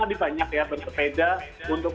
tadi banyak ya bersepeda untuk